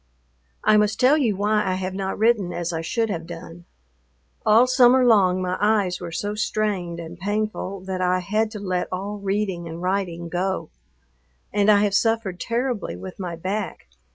I must tell you why I have not written as I should have done. All summer long my eyes were so strained and painful that I had to let all reading and writing go. And I have suffered terribly with my back.